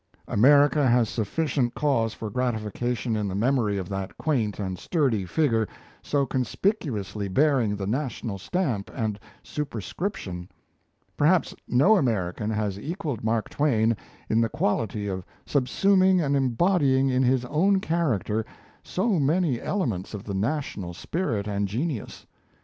America has sufficient cause for gratification in the memory of that quaint and sturdy figure so conspicuously bearing the national stamp and superscription. Perhaps no American has equalled Mark Twain in the quality of subsuming and embodying in his own character so many elements of the national spirit and genius.